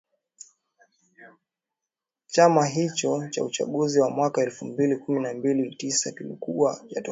chama hichoUchaguzi wa mwaka elfu mbili na kumi na tisa ulikuwa wa tofauti